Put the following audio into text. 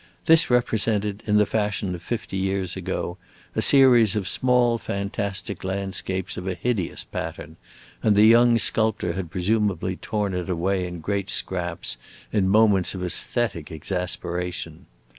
This represented, in the fashion of fifty years ago, a series of small fantastic landscapes of a hideous pattern, and the young sculptor had presumably torn it away in great scraps, in moments of aesthetic exasperation.